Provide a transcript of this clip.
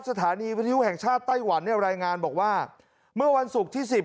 สถานีวิทยุแห่งชาติไต้หวันเนี่ยรายงานบอกว่าเมื่อวันศุกร์ที่สิบ